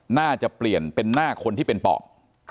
น่าจะเปลี่ยนเป็นหน้าคนที่เป็นปอบ